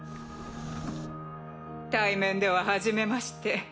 対面でははじめまして。